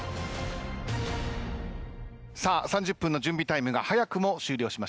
さあ３０分の準備タイムが早くも終了しました。